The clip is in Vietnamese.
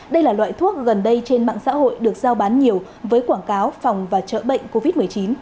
đây là loại thuốc gần đây trên mạng xã hội được giao bán nhiều với quảng cáo phòng và chữa bệnh covid một mươi chín